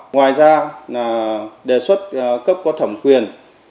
ngoài ra đề xuất cấp có thẩm quyền